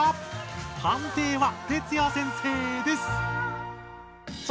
判定はＴＥＴＳＵＹＡ先生です！